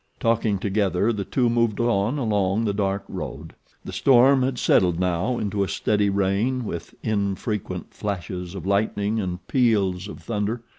Talking together the two moved on along the dark road. The storm had settled now into a steady rain with infrequent flashes of lightning and peals of thunder.